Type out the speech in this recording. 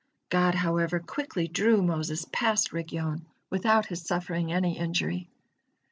God, however, quickly drew Moses past Rigyon without his suffering any injury.